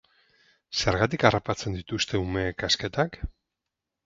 Zergatik harrapatzen dituzte umeek kasketak?